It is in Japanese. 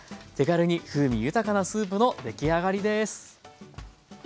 手軽に風味豊かなスープの出来上がりです。